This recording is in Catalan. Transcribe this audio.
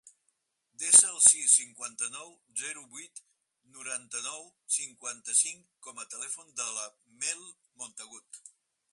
Desa el sis, cinquanta-nou, zero, vuit, noranta-nou, cinquanta-cinc com a telèfon de la Mel Montagud.